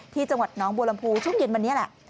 ที่จังหวัดน้องบัวลำพูช่วงเย็นวันนี้แหละ